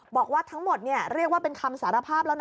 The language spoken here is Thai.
บอกว่าทั้งหมดเรียกว่าเป็นคำสารภาพแล้วนะ